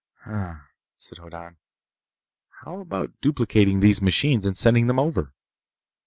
"Hm m m," said Hoddan. "How about duplicating these machines and sending them over?"